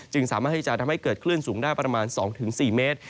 สามารถที่จะทำให้เกิดคลื่นสูงได้ประมาณ๒๔เมตร